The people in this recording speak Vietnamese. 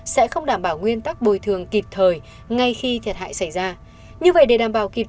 sẽ không đảm bảo nguyên tắc bồi thường kịp thời ngay khi thiệt hại xảy ra